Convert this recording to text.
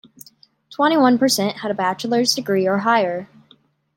Twenty-one percent had a bachelor's degree or higher.